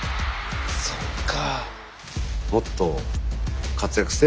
そっか。